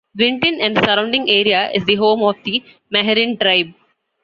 Winton and the surrounding area is the home of the Meherrin Tribe.